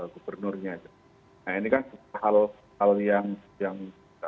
gubernurnya aja ini kan hal hal yang yang